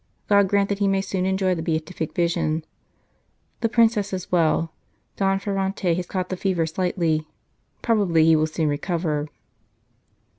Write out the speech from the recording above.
God grant that he may soon enjoy the Beatific Vision ! The Princess is well. Don Ferrante has caught the fever, but slightly ; probably he will soon recover."